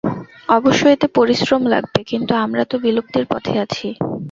অবশ্য, এতে পরিশ্রম লাগবে, কিন্তু আমরা তো বিলুপ্তির পথে আছি।